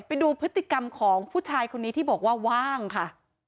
ไปดูพฤติกรรมของผู้ชายคนนี้ที่บอกว่าว่างค่ะ